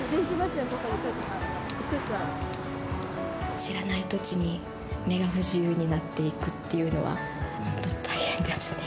知らない土地に目が不自由になって行くというのは、本当、大変ですね。